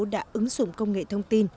đã ứng dụng công nghệ thông tin